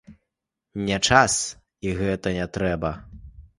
Не час, і гэта не трэба.